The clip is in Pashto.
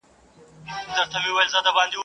o غر پر غره نه ورځي، سړى پر سړي ورځي.